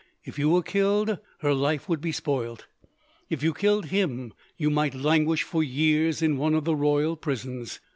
If you were killed, her life would be spoilt. If you killed him, you might languish for years in one of the royal prisons.